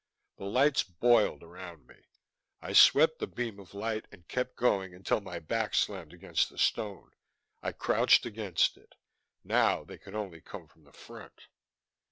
The lights boiled around me. I swept the beam of light and kept going until my back slammed against the stone. I crouched against it. Now they could only come from the front.